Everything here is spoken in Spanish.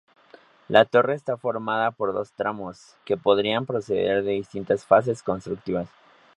La torre está formada por dos tramos, que podrían proceder de distintas fases constructivas.